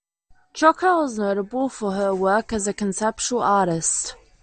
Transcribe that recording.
Trockel is notable for her work as a conceptual artist.